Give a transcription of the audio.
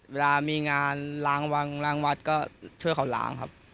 เวลามีงานล้างวางล้างวัดก็ช่วยเขาล้างครับ